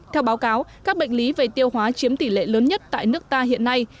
theo báo cáo các bệnh lý về tiêu hóa chiếm tỷ lệ lớn nhất tại nước ta hiện nay